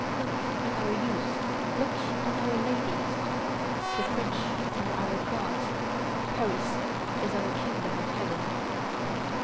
Look at our youths, look at our ladies! The French are our Gods: Paris is our Kingdom of Heaven."